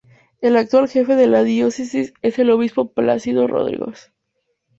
El actual jefe de la Diócesis es el Obispo Plácido Rodríguez.